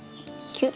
キュッ。